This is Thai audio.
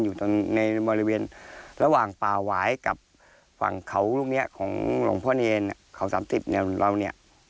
อยู่ในบริเวณระหว่างป่าไหว้กับฝั่งเขาลุงแม้